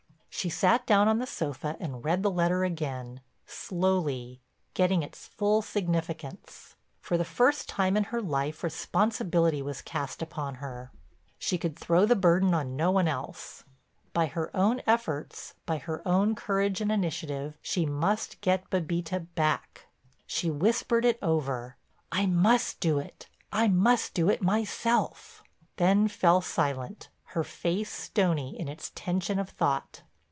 She sat down on the sofa and read the letter again, slowly, getting its full significance. For the first time in her life responsibility was cast upon her; she could throw the burden on no one else. By her own efforts, by her own courage and initiative, she must get Bébita back. She whispered it over, "I must do it. I must do it myself," then fell silent, her face stony in its tension of thought.